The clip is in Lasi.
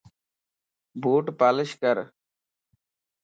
ٻوٽ پالش ڪر